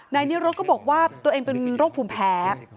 นายนิรุธก็บอกว่าตัวเองเป็นโรคภูมิแพ้